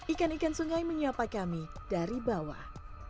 ikan ikan sungai menyapa kami dari bawah